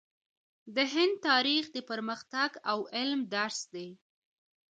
د هند تاریخ د پرمختګ او علم درس دی.